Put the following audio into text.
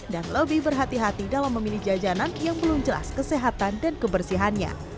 dan lebih berhati hati dalam memilih jajanan yang belum jelas kesehatan dan kebersihannya